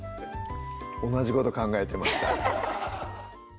同じこと考えてました